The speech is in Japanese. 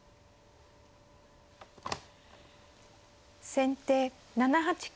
先手７八金。